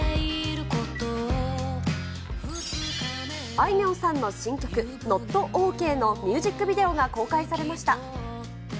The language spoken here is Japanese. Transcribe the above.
あいみょんさんの新曲、ノット・オーケーのミュージックビデオが公開されました。